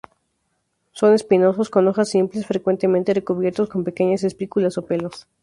Son espinosos, con hojas simples frecuentemente recubiertos con pequeñas espículas o pelos.